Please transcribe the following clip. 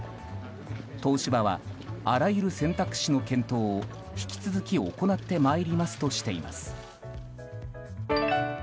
東芝はあらゆる選択肢の検討を引き続き行ってまいりますとしています。